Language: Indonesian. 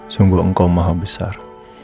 sungguh engkau maha besar